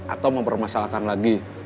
atau mempermasalahkan lagi